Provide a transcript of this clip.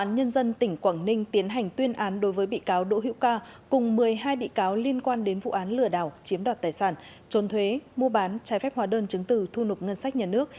nguyên nhân hai năm tù về tội mua bán trái phép hóa đơn chứng từ thu nộp ngân sách nhà nước